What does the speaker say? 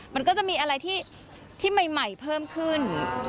มันก็จะมีอะไรที่ใหม่เพิ่มขึ้น